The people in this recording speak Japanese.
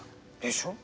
でしょ？